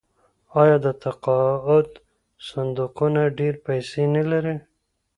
آیا د تقاعد صندوقونه ډیرې پیسې نلري؟